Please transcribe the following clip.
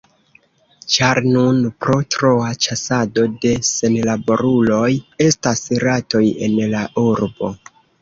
Ĉar nun, pro troa ĉasado de senlaboruloj, estas ratoj en la urbo.